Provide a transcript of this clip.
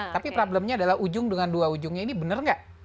tapi problemnya adalah ujung dengan dua ujungnya ini benar nggak